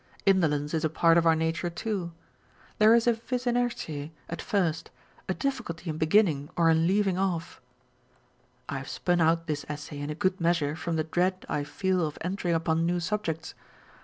Indolence is a part of our nature too. There is a vis inertice at first, a difficulty in beginning or in leaving off. I have spun out this Essay in a good measure from the dread I feel of entering upon new subjects.